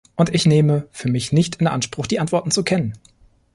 Und ich nehme für mich nicht in Anspruch, die Antworten zu kennen.